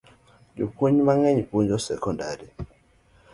Jopuony mangeny puonjo sekodari